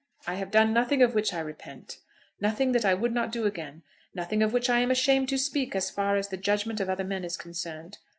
I have done nothing of which I repent; nothing that I would not do again; nothing of which I am ashamed to speak as far as the judgment of other men is concerned.